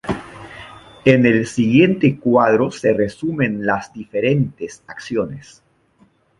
En el siguiente cuadro se resumen las diferentes acciones.